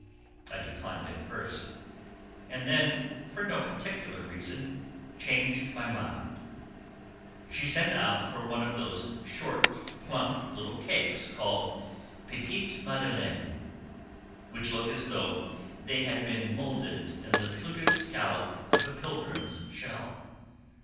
I declined at first, and then, for no particular reason, changed my mind. She sent out for one of those short, plump little cakes called 'petites madeleines,' which look as though they had been moulded in the fluted scallop of a pilgrim's shell.